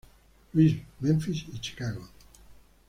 Louis, Memphis y Chicago.